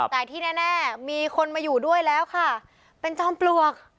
แต่ที่แน่มีคนมาอยู่ด้วยแล้วค่ะเป็นจอมปลวก